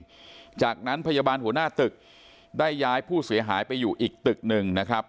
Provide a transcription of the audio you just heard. หลังจากนั้นพยาบาลหัวหน้าตึกได้ย้ายผู้เสียหายไปอยู่อีกตึกหนึ่งนะครับ